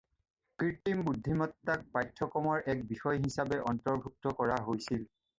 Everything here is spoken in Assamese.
কৃত্ৰিম বুদ্ধিমত্তাক পাঠ্যক্ৰমৰ এক বিষয় হিচাপে অন্তৰ্ভুক্ত কৰা হৈছিল।